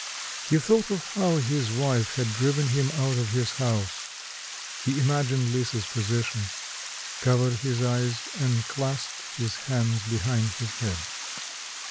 He thought of how his wife had driven him out of his house; he imagined Lisa's position, covered his eyes and clasped his hands behind his head.